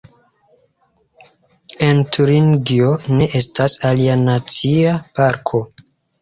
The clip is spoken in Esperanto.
En Turingio ne estas alia nacia parko.